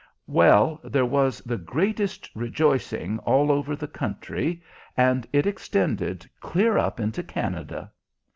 Well, there was the greatest rejoicing all over the country, and it extended clear up into Canada.